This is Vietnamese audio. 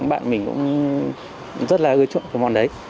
bạn mình cũng rất là ưa chuộng cái món đấy